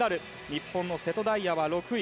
日本の瀬戸大也は６位。